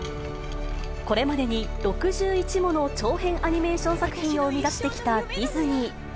これまでに６１もの長編アニメーション作品を生み出してきたディズニー。